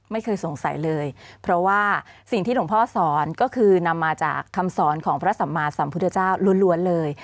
ไม่เคยสงสัยเลยเพราะว่าสิ่งที่หลวงพ่อสอนก็คือนำมาจากคำสอนของพระสัมมาสัมพุทธเจ้าล้วนเลย